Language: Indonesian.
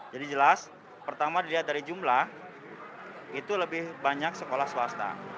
jadi jelas pertama dilihat dari jumlah itu lebih banyak sekolah swasta